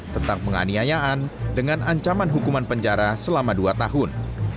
tentang penganiayaan dengan ancaman hukuman penjara selama dua tahun